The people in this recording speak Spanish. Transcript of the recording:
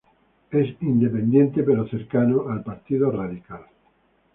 Es independiente cercano al Partido Radical.